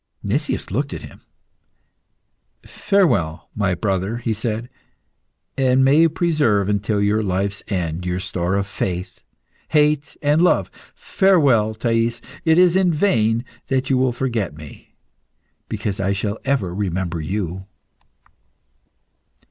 Nicias looked at him. "Farewell, my brother," he said, "and may you preserve until your life's end your store of faith, hate, and love. Farewell, Thais! It is in vain that you will forget me, because I shall ever remember you."